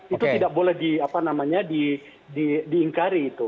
itu tidak boleh di apa namanya diingkari itu